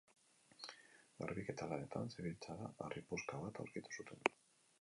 Garbiketa lanetan zebiltzala harri puska bat aurkitu zuten.